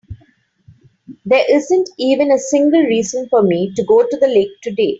There isn't even a single reason for me to go to the lake today.